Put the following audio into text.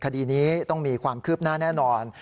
คดีนี้ต้องมีความคืบหน้าแน่นอน